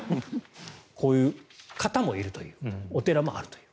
こういう方もいるというお寺もあるという。